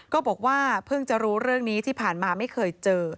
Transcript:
ก็บอกว่าเพิ่งจะรู้เรื่องนี้ที่ผ่านมาไม่เคยเจอ